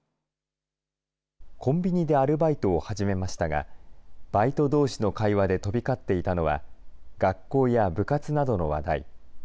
コンビニでアルバイトを始めましたが、バイトどうしの会話で飛び交っていたのは、学校や部活などの話題。